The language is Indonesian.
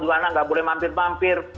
dua anak tidak boleh mampir mampir